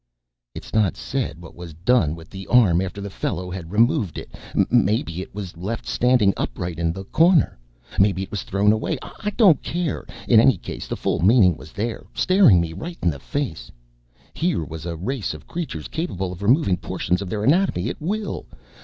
_ It's not said what was done with the arm after the fellow had removed it. Maybe it was left standing upright in the corner. Maybe it was thrown away. I don't care. In any case, the full meaning was there, staring me right in the face. Here was a race of creatures capable of removing portions of their anatomy at will.